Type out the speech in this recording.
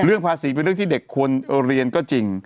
ภาษีเป็นเรื่องที่เด็กควรเรียนก็จริง